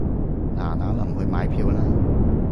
嗱嗱臨去買票啦